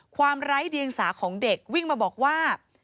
ไร้เดียงสาของเด็กวิ่งมาบอกว่า